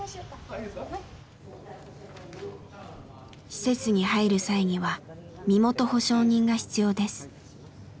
施設に入る際には身元保証人が必要です。